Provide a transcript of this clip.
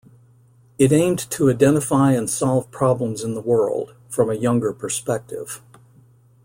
It aimed to identify and solve problems in the world, from a younger perspective.